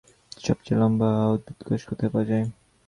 সবচেয়ে লম্বা উদ্ভিদকোষ কোথায় পাওয়া যায়?